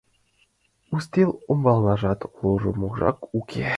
Ӱстел ӱмбалныжат ала-можак уке.